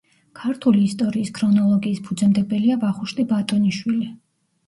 ქართული ისტორიის ქრონოლოგიის ფუძემდებელია ვახუშტი ბატონიშვილი.